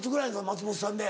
松本さんで。